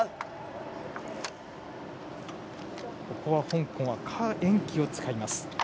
香港、何宛淇を使います。